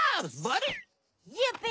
やった！